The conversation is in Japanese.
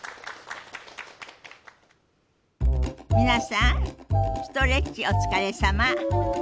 皆さんストレッチお疲れさま。